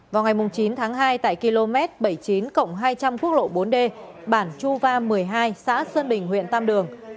vào ngày chín tháng hai tại km bảy mươi chín hai trăm linh quốc lộ bốn d bản chu va một mươi hai xã sơn bình huyện tam đường